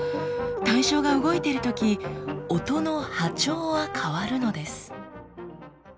対象が動いてるとき音の波長は変わるのです。